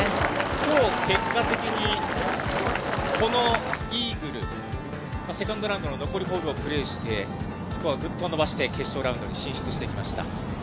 きょう、結果的にこのイーグル、セカンドラウンドの残りホールをプレーして、スコアをぐっと伸ばして決勝ラウンドに進出してきました。